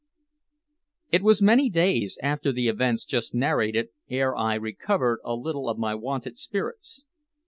It was many days after the events just narrated ere I recovered a little of my wonted spirits.